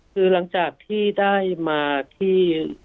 คือหลังจากที่ได้มาที่